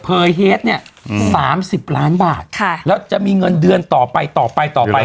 เยยเฮดเนี่ย๓๐ล้านบาทค่ะแล้วจะมีเงินเดือนต่อไปต่อไปต่อไป